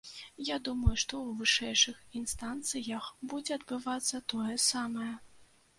Я думаю, што ў вышэйшых інстанцыях будзе адбывацца тое самае.